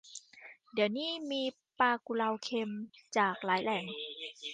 เดี๋ยวนี้มีปลากุเลาเค็มจากหลายแหล่ง